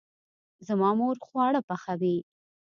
زما مور خواړه پخوي